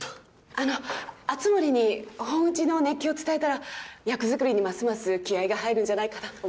あの熱護に本打ちの熱気を伝えたら役作りにますます気合が入るんじゃないかなと思いまして。